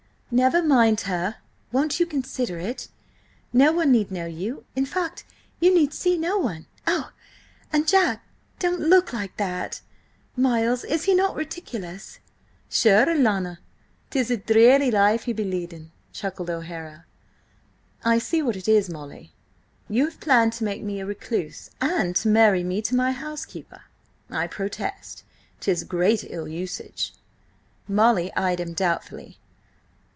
"Never mind her; won't you consider it? No one need know you–in fact, you need see no one–and–oh, Jack! don't look like that. Miles, is he not ridiculous?" "Sure, alanna, 'tis a dreary life he'd be leading," chuckled O'Hara. "I see what it is, Molly. You have planned to make me a recluse, and to marry me to my housekeeper. I protest, 'tis great ill usage!" Molly eyed him doubtfully.